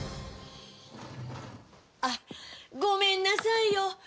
あっごめんなさいよ。